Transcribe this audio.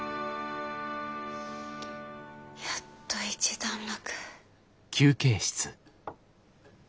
やっと一段落。